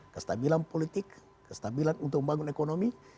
kestabilan politik kestabilan untuk membangun ekonomi